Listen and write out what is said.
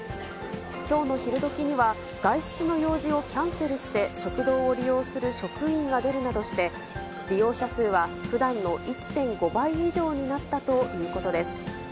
きょうの昼どきには、外出の用事をキャンセルして食堂を利用する職員が出るなどして、利用者数はふだんの１．５倍以上になったということです。